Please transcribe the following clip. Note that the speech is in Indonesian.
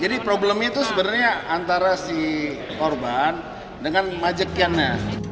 jadi problemnya itu sebenarnya antara si korban dengan majikannya